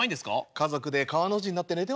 家族で川の字になって寝てました。